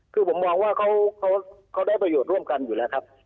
คือผมมองว่าเขาได้ประโยชน์ร่วมกันอยู่แล้วครับ